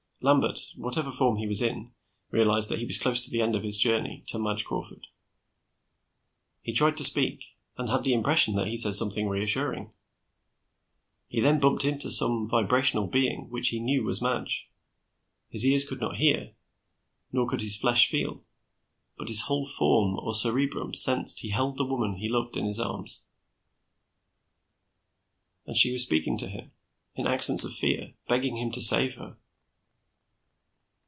Lambert, whatever form he was in, realised that he was close to the end of his journey to Madge Crawford. He tried to speak, and had the impression that he said something reassuring. He then bumped into some vibrational being which he knew was Madge. His ears could not hear, nor could his flesh feel, but his whole form or cerebrum sensed he held the woman he loved in his arms. And she was speaking to him, in accents of fear, begging him to save her.